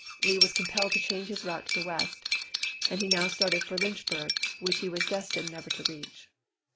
Lee was compelled to change his route to the west ; and he now started for Lynchburg, which he was destined never to reach.